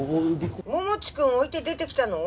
桃地くん置いて出てきたの？